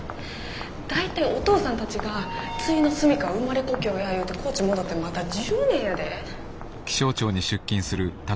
大体お父さんたちがついの住みかは生まれ故郷や言うて高知戻ってまだ１０年やで。